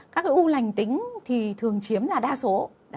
các cái u lành tính thì thường chiếm là đa số